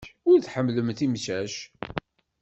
Ur tḥemmlem imcac.